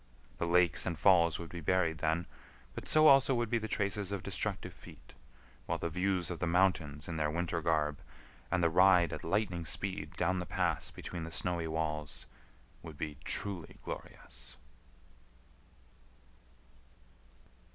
The lakes and falls would be buried then; but so, also, would be the traces of destructive feet, while the views of the mountains in their winter garb, and the ride at lightning speed down the pass between the snowy walls, would be truly glorious.